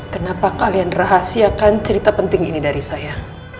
kenapa kalian rahasiakan cerita penting ini dari saya